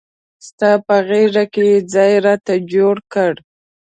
ستا په غیږ کې ځای راته جوړ کړه.